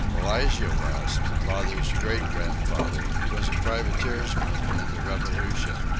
Elijah West, father's great grandfather, was a privateersman in the Revolution.